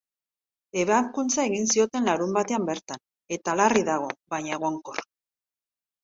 Ebakuntza egin zioten larunbatean bertan, eta larri dago, baina egonkor.